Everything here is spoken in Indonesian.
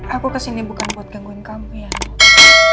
aku kesini bukan buat gangguin kamu ya tante